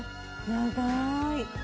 長い！